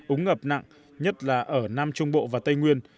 úng ngập nặng nhất là ở nam trung bộ và tây nguyên